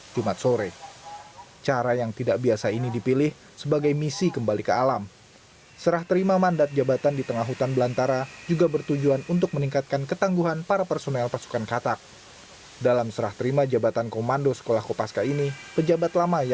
kegiatan ini membawa misi kembali ke alam layaknya prajurit yang sedang berada di medan perang